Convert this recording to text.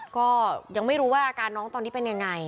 ก็ยังไม่รู้ว่าอาการน้องตอนนี้เป็นยังไง